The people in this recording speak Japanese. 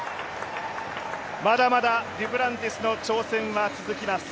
まだまだデュプランティスの挑戦は続きます。